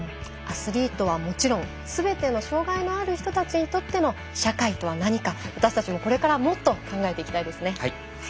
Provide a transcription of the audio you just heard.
アスリートはもちろんすべての障がいのある人たちにとっての社会とは何か私たちもこれからもっと考えていきたいですね。